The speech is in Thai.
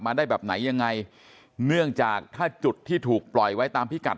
ได้แบบไหนยังไงเนื่องจากถ้าจุดที่ถูกปล่อยไว้ตามพิกัด